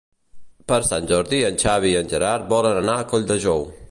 Per Sant Jordi en Xavi i en Gerard volen anar a Colldejou.